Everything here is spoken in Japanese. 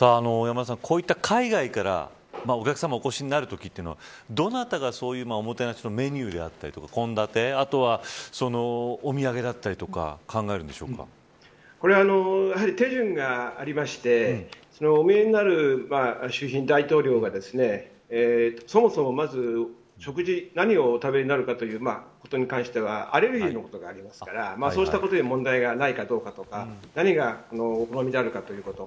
山田さん、こういった海外からお客さまがお越しになるときというのはどなたが、おもてなしのメニューであったり、献立あとは、お土産だったりとかこれはやはり手順がありましてお見えになる主賓、大統領がそもそも、まず食事何をお食べになるかということに関してはアレルギーのことがありますからそうしたことで問題がないかとか何がお好みであるかということ。